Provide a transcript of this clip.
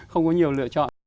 không có nhiều lựa chọn